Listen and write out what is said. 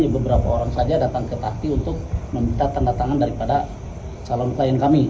beberapa orang saja datang ke takti untuk meminta tanda tangan daripada calon klien kami